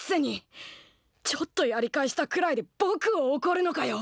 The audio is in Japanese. ちょっとやり返したくらいでぼくをおこるのかよ！